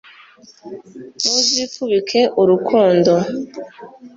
muzifubike urukundo